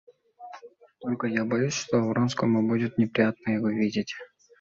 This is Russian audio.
Только я боюсь, что Вронскому будет неприятно его видеть.